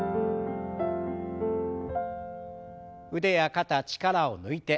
腕や肩力を抜いて。